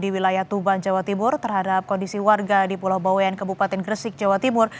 di wilayah tuban jawa timur terhadap kondisi warga di pulau boyan kabupaten gresik jawa timur